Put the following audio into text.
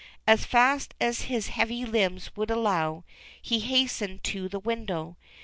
As fast as his heavy limbs would allow, he hastened to the window.